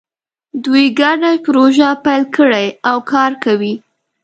دوی ګډه پروژه پیل کړې او کار کوي